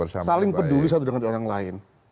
saling peduli satu dengan orang lain